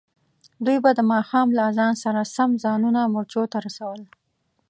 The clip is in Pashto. دوی به د ماښام له اذان سره سم ځانونه مورچو ته رسول.